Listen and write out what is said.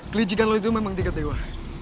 kelicikan lo itu memang tingkat dewa